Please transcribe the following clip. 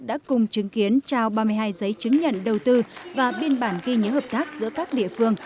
đã cùng chứng kiến trao ba mươi hai giấy chứng nhận đầu tư và biên bản ghi nhớ hợp tác giữa các địa phương